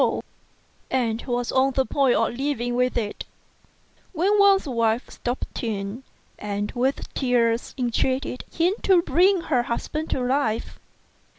G 82 STRANGE STORIES and was on the point of leaving with it, when Wang's wife stopped him, and with tears entreated him to bring her husband to life.